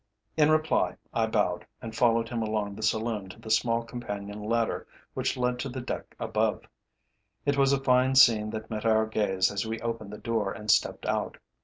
In reply, I bowed and followed him along the saloon to the small companion ladder which led to the deck above. It was a fine scene that met our gaze as we opened the door and stepped out.